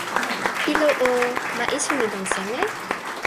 ilo o, ma esun li lon seme?